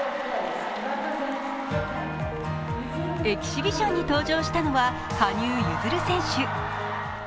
エキシビションに登場したのは羽生結弦選手。